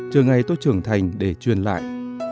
chưa ngay tôi trưởng thành để truyền lại